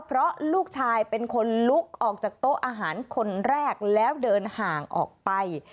เพราะลูกชายเป็นคนลุกออกจากโต๊ะอาหารคนแรกแล้วเดินห่างออกไป